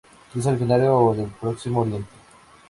Es originaria del Próximo Oriente.